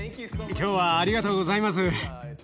今日はありがとうございます。